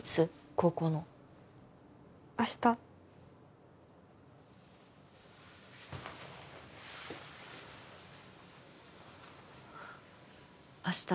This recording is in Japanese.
高校の明日明日